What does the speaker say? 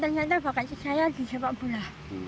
ternyata bapak saya di sepak bola